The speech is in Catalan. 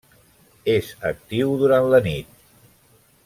És actiu durant la nit.